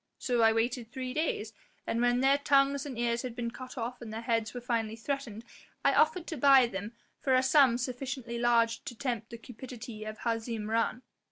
So I waited three days, and when their tongues and ears had been cut off and their heads were finally threatened, I offered to buy them for a sum sufficiently large to tempt the cupidity of Hazim Rhan.